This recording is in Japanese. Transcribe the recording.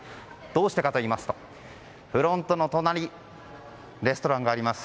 どうしてかといいますとフロントの隣レストランがあります。